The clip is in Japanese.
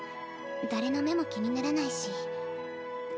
誰の目も気にならないし。